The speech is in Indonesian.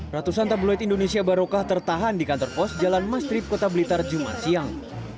ratusan tabloid indonesia barokah tertahan di kantor pos jalan mastrip kota blitar jumat siang